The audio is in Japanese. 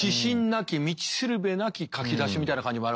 なき道しるべなき書き出しみたいな感じもあるわけですか。